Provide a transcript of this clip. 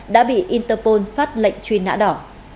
đã bị interpol phát lệnh truy nã đỏ